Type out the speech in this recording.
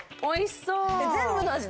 おいしそう。